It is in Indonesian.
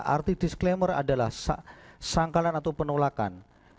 arti disclaimer adalah sangkalan atau penolakan